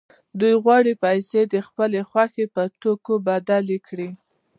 دوی غواړي پیسې د خپلې خوښې په توکو بدلې کړي